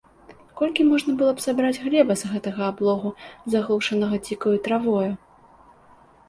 Колькі можна было б сабраць хлеба з гэтага аблогу, заглушанага дзікаю травою?